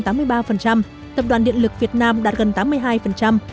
tập đoàn điện lực việt nam đạt gần tám mươi hai